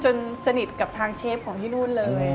สนิทกับทางเชฟของที่นู่นเลย